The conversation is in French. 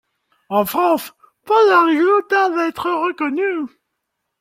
En France, Paula Rego tarde à être reconnue.